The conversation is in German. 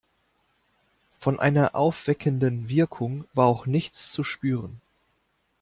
Von einer aufweckenden Wirkung war auch nichts zu spüren.